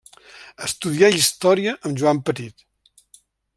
Estudià història amb Joan Petit.